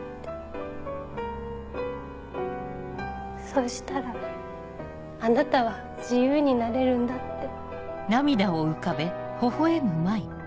「そうしたらあなたは自由になれるんだ」って。